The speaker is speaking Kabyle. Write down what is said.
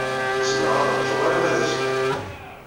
Zemreɣ ad ṛjuɣ arma d azekka.